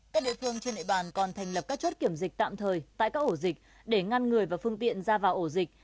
các địa phương trên địa bàn còn thành lập các chốt kiểm dịch tạm thời tại các ổ dịch để ngăn người và phương tiện ra vào ổ dịch